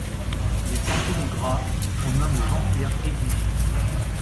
Les fantômes gras, qu’on nomme les vampires, existent.